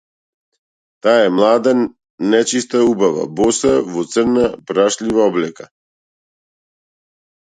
Таа е млада, нечиста убава, боса, во црна и прашлива облека.